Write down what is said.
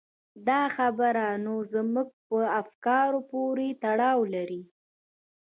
دا خبره نو زموږ په افکارو پورې تړاو لري.